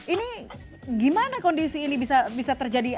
ini gimana kondisi ini bisa terjadi